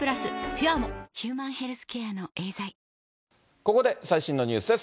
ここで最新のニュースです。